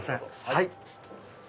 はい。